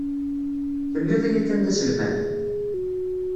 Telliḍ yakan d aselmad?